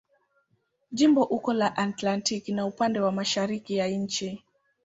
Jimbo uko la Atlantiki na upande wa mashariki ya nchi.